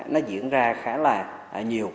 nó diễn ra khá là nhiều